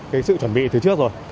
có sự chuẩn bị từ trước rồi